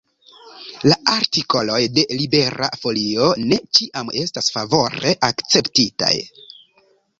La artikoloj de Libera Folio ne ĉiam estas favore akceptitaj.